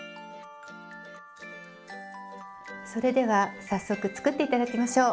それでは早速作って頂きましょう。